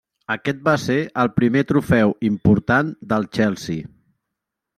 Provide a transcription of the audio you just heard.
Aquest va ser el primer trofeu important del Chelsea.